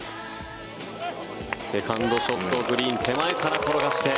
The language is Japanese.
セカンドショットグリーン手前から転がして。